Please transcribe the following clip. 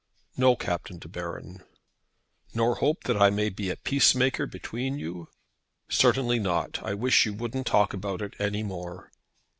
"No, Captain De Baron." "Nor hope that I may be a peacemaker between you?" "Certainly not. I wish you wouldn't talk about it any more."